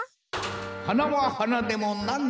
はなははなでもなんのはな。